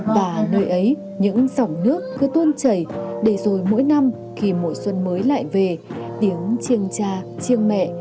và nơi ấy những dòng nước cứ tuôn chảy để rồi mỗi năm khi mùa xuân mới lại về tiếng chiêng cha chiêng mẹ